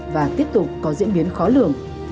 và tiếp tục có diễn biến khó lường